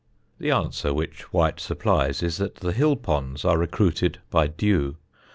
The answer, which White supplies, is that the hill pools are recruited by dew.